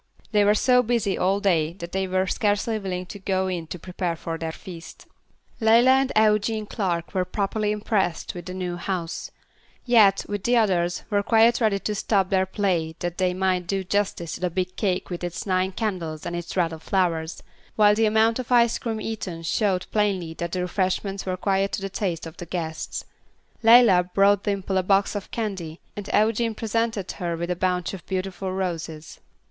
They were so busy all day that they were scarcely willing to go in to prepare for their feast. Leila and Eugene Clark were properly impressed with the new house; yet, with the others, were quite ready to stop their play that they might do justice to the big cake with its nine candles, and its wreath of flowers; while the amount of ice cream eaten showed plainly that the refreshments were quite to the taste of the guests. Leila brought Dimple a box of candy, and Eugene presented her with a bunch of beautiful roses.